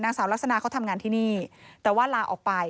นางสาวลักษณะเขาทำงานที่นี่แต่ว่าลาออกไป